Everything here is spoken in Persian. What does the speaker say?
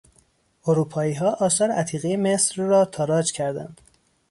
اروپاییها آثار عتیقهی مصر را تاراج کردند.